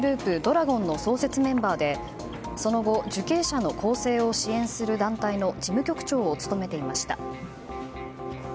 羅権の創設メンバーでその後、受刑者の更生を支援する団体の事務局長を務めていました。